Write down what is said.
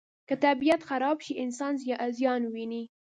که طبیعت خراب شي، انسان زیان ویني.